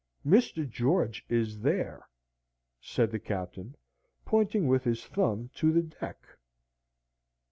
"Mr. George is there," said the Captain, pointing with his thumb to the deck.